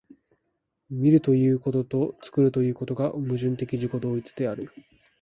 見るということと作るということとが矛盾的自己同一的である。